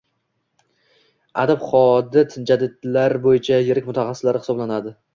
Adib Xolid jadidlar bo'yicha yirik mutaxassis hisoblanadi.